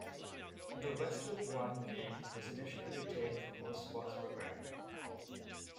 The Westwood One name was initially retained for most sports programming.